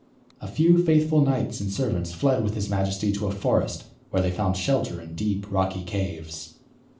A few faithful knights and servants fled with his majesty to a forest where they found shelter in deep, rocky caves.